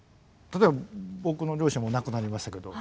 例えば僕の両親も亡くなりましたけど。